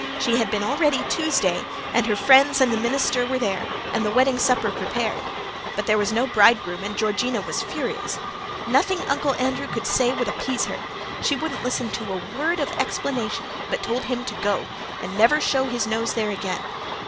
She had been all ready Tuesday, and her friends and the minister were there, and the wedding supper prepared. But there was no bridegroom and Georgina was furious. Nothing Uncle Andrew could say would appease her. She wouldn't listen to a word of explanation, but told him to go, and never show his nose there again.